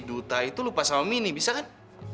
duta itu lupa sama mini bisa kan